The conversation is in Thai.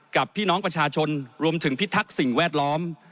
กับพี่น้องประชาชนรวมถึงพิทักษ์สิ่งแวดล้อม